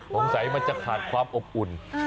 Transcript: คงใส่มันจะขาดความอบอุ่น